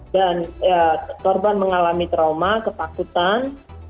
dan korban mengalami trauma ketakutan